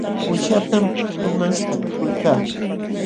Uushatam ulquman qatikuykaa.